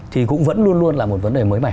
thì cũng vẫn luôn luôn là một vấn đề mới mẻ